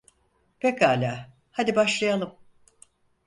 Pekala, hadi başlayalım.